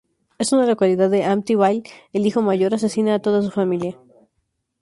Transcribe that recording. En una localidad de Amityville, el hijo mayor asesina a toda su familia.